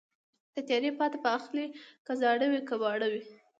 د تیارې پاتا به اخلي که زاړه وي که واړه وي